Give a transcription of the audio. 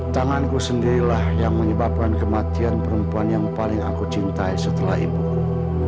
tanganku sendirilah yang menyebabkan kematian perempuan yang paling aku cintai setelah ibuku